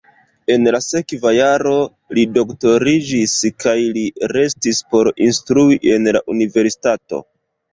En la sekva jaro li doktoriĝis kaj li restis por instrui en la universitato.